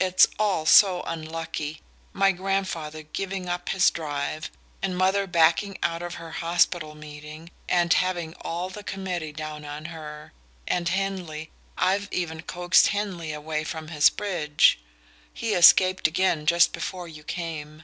"It's all so unlucky my grandfather giving up his drive, and mother backing out of her hospital meeting, and having all the committee down on her. And Henley: I'd even coaxed Henley away from his bridge! He escaped again just before you came.